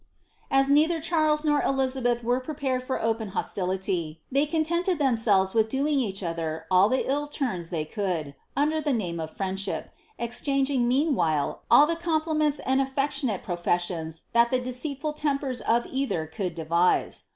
' As neither Charles nor Elizabeth were prepared for open hostility, they contented themselves with doing each other all the ill turns they could, under the name of friendship, exchanging meanwhile all the com pliments and a^^tionate professions that the deceitful tempers of either rould devise.